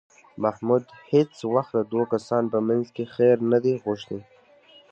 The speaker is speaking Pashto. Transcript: محمود هېڅ وخت د دوو کسانو په منځ کې خیر نه دی غوښتی